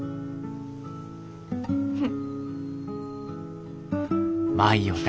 うん。